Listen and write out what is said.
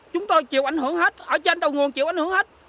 chúng tôi chịu ảnh hưởng hết ở trên đầu nguồn chịu ảnh hưởng hết